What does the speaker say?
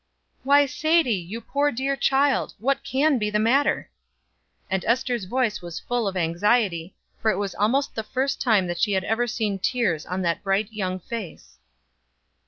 "Why, Sadie, you poor dear child, what can be the matter?" And Ester's voice was full of anxiety, for it was almost the first time that she had ever seen tears on that bright young face.